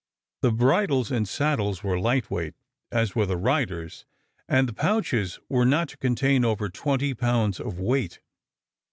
The bridles and saddles were light weight, as were the riders, and the pouches were not to contain over twenty pounds of weight.